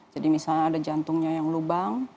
jadi misalnya ada jantungnya yang lubang